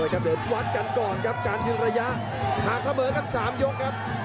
เดี๋ยววัดกันก่อนครับการยืนระยะห่างเสมอกัน๓ยกครับ